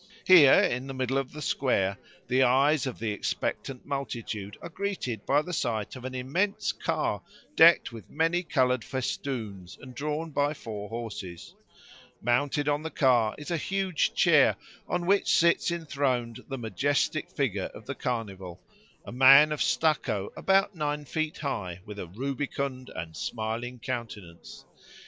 Here, in the middle of the square, the eyes of the expectant multitude are greeted by the sight of an immense car decked with many coloured festoons and drawn by four horses. Mounted on the car is a huge chair, on which sits enthroned the majestic figure of the Carnival, a man of stucco about nine feet high with a rubicund and smiling countenance.